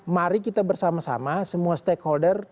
mari kita bersama sama semua stakeholder